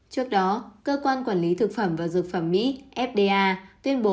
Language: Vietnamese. trước đó cơ quan quản lý thực phẩm và dược phẩm mỹ fda tuyên bố